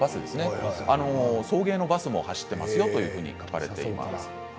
送迎のバスも走っていますよと書かれています。